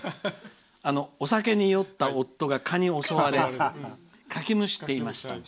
「お酒に酔った夫が蚊に襲われかきむしっていました。